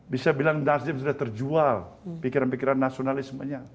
bisa bilang nasdem sudah terjual pikiran pikiran nasionalismenya